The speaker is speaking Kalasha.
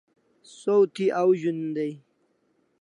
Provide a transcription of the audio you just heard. Saw thi au zun day